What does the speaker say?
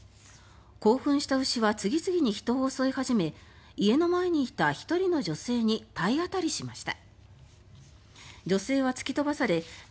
興奮した牛は次々に人を襲い始め家の前にいた１人の女性に体当たりしました。